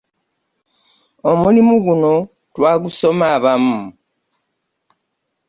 Omulimu guno twagusoma abamu.